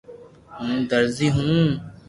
ھون درزي ھون